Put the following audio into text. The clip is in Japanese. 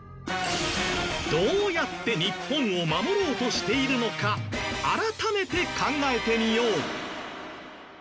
どうやって日本を守ろうとしているのか改めて考えてみよう。